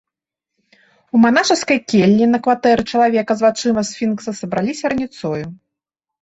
У манашаскай келлі на кватэры чалавека з вачыма сфінкса сабраліся раніцою.